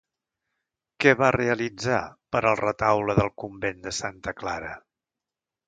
Què va realitzar per al retaule del convent de Santa Clara?